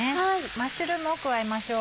マッシュルームを加えましょう。